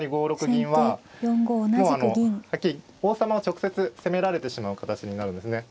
銀はもうあのはっきり王様を直接攻められてしまう形になるんですね。